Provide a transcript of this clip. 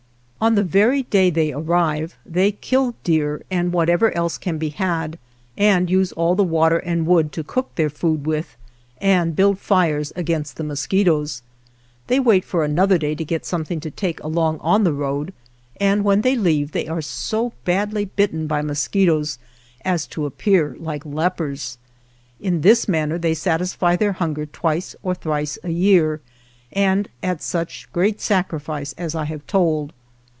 On the very day they arrive they kill deer and whatever else can be had and use all the water and wood to cook their food with and build fires against the mosquitoes. They wait for another day to get something to take along on the road, and when they leave they are so badly bitten by mosquitoes as to appear like lepers. In this manner they satisfy their hunger twice or thrice a year and at such great sacrifice as I have told.